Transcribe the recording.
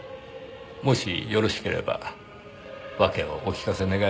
もしよろしければわけをお聞かせ願えませんか？